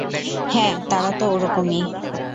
হ্যাঁ, তারা তো ওরকমই।